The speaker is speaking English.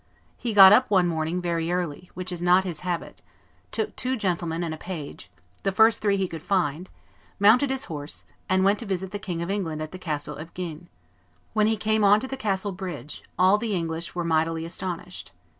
He got up one morning very early, which is not his habit, took two gentlemen and a page, the first three he could find, mounted his horse, and went to visit the King of England at the castle of Guines. When he came on to the castle bridge, all the English were mighty astonished.